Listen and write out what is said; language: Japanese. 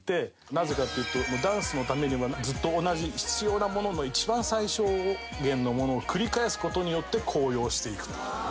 なぜかっていうとダンスのためにはずっと同じ必要なものの一番最小限のものを繰り返す事によって高揚していくと。